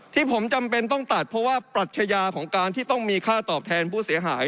ที่ผมจำเป็นต้องตัดเพราะว่าปรัชญาของการที่ต้องมีค่าตอบแทนผู้เสียหาย